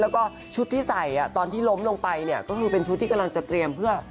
แล้วก็ชุดที่ใส่ตอนที่ล้มลงไปเนี่ยก็คือเป็นชุดที่กำลังจะเตรียมเพื่อ